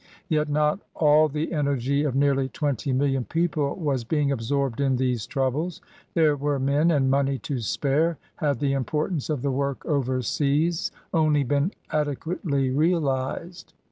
Yet not all the energy of nearly twenty million people was being absorbed in these troubles. There were men and money to spare, had the im portance of the work overseas only been adequately realized.